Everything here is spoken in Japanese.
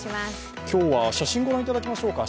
今日は写真、ご覧いただきましょうか。